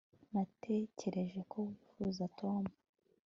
natekereje ko wifuza tom